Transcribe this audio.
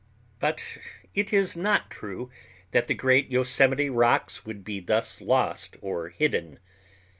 But it is not true that the great Yosemite rocks would be thus lost or hidden.